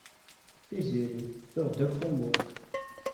Tiziri, tuɣ-d akk tamurt.